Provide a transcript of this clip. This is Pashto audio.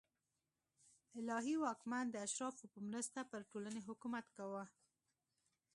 الهي واکمن د اشرافو په مرسته پر ټولنې حکومت کاوه